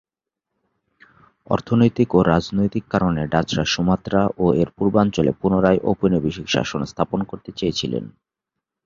অর্থনৈতিক ও রাজনৈতিক কারণে ডাচরা সুমাত্রা ও এর পূর্বাঞ্চলে পুনরায় ঔপনিবেশিক শাসন স্থাপন করতে চেয়েছিল।